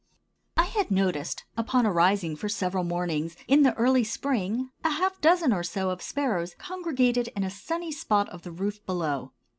I had noticed upon arising for several mornings in the early spring a half dozen or so of sparrows congregated in a sunny spot of the roof below.